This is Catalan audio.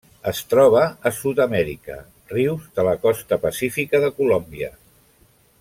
Es troba a Sud-amèrica: rius de la costa pacífica de Colòmbia.